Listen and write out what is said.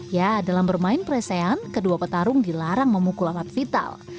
ya dalam bermain presean kedua petarung dilarang memukul alat vital